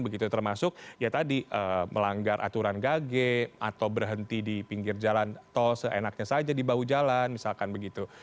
begitu termasuk ya tadi melanggar aturan gage atau berhenti di pinggir jalan tol seenaknya saja di bahu jalan misalkan begitu